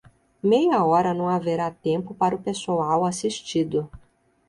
Meia hora não haverá tempo para o pessoal assistido.